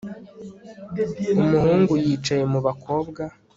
Umuhungu yicaye mu bakobwa